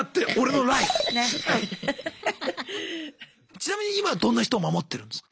ちなみに今どんな人を守ってるんですか？